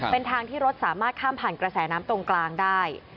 เป็นทางที่รถสามารถข้ามผ่านกระแสน้ำตรงกลางได้